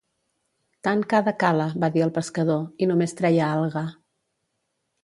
Tant cada cala, va dir el pescador, i només treia alga.